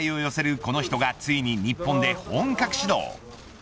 この人がついに日本で本格始動。